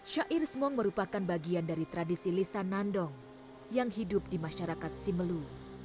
syair semong merupakan bagian dari tradisi lisanandong yang hidup di masyarakat simelu